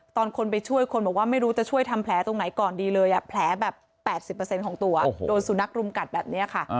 ตอนคนไปช่วยคนบอกว่าไม่รู้จะช่วยทำแผลตรงไหนก่อนดีเลยแผลแบบ๘๐ของตัวโดนสุนัขรุมกัดแบบนี้ค่ะ